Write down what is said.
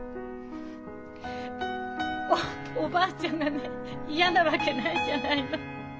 おおばあちゃんがね嫌なわけないじゃないの。